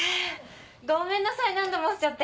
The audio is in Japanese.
ごめんなさい何度も押しちゃって。